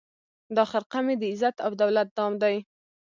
دا خرقه مي د عزت او دولت دام دی